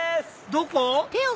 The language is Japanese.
どこ？